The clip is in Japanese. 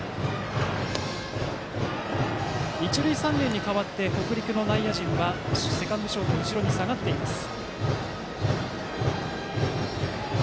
一塁三塁に変わって北陸の内野陣セカンド、ショート後ろに下がりました。